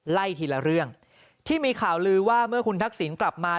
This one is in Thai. ไล่ทีละเรื่องที่มีข่าวลือว่าเมื่อคุณทักษิณกลับมา